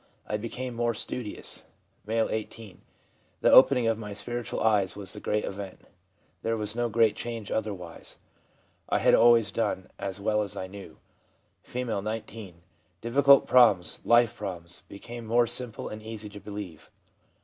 'I became more studious/ M., 18. 1 The opening of my spiritual eyes was the great event ; there was no great change otherwise., I had always done as well as I knew/ F., 19. ' Difficult problems (life problems) became more simple and easy to believe/ M.